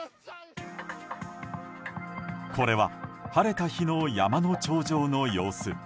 これは、晴れた日の山の頂上の様子。